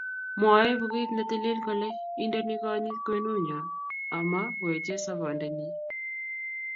Mwoe bukuit ne tilil kole, indeni konyi kwenunyo, ama wechei sobondenyi